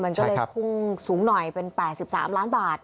มันก็เลยพุ่งสูงหน่อยเป็น๘๓ล้านบาท